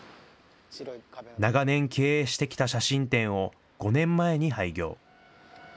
長年経営してきた写真店を、５年前に廃業。